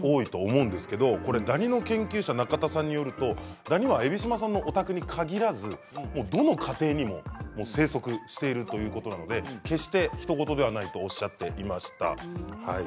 ダニの研究者中田さんによりますとダニは海老島さんのお宅に限らずどの家庭にも生息しているということなので決して、ひと事ではないとおっしゃっていました。